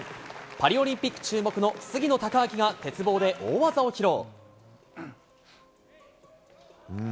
パリオリンピック注目の杉野正尭が鉄棒で大技を披露。